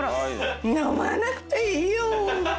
飲まなくていいよ。